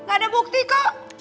gak ada bukti kok